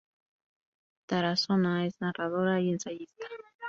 Tarazona es narradora y ensayista.